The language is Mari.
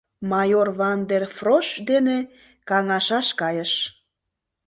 Майор Ван дер Фрош дене каҥашаш кайыш.